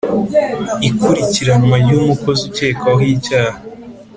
Ikurikiranwa ry umukozi ukekwaho icyaha.